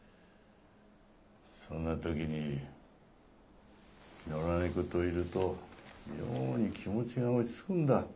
そんな時に野良猫といると妙に気持ちが落ち着くんだ。